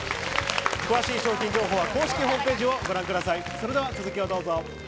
詳しい商品情報は公式ホームページをご覧ください。